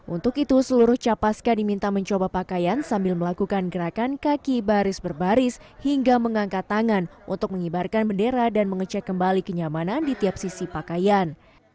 untuk itu seluruh capaska diminta mencoba pakaian sambil melakukan gerakan kaki baris berbaris hingga mengangkat tangan untuk mengibarkan bendera dan mengecek kembali kenyamanan di tiap sisi pakaian